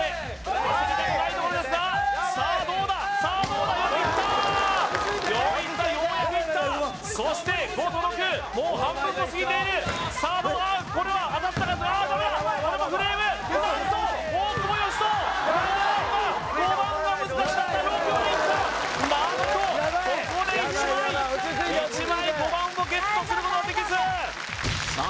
ここでさあどうださあどうだいったようやくいったそして５と６もう半分も過ぎているさあどうだこれは当たったかダメだこれもフレーム何と大久保嘉人５番は難しかった６はいった何とここで１枚１枚５番をゲットすることができずさあ